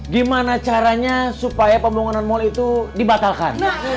gimana caranya supaya pembangunan mal itu dibatalkan